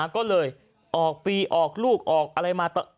ก็เลยออกปีออกลูกออกอะไรมา